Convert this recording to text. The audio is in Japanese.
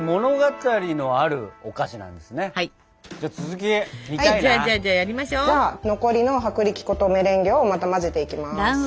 じゃあ残りの薄力粉とメレンゲをまた混ぜていきます。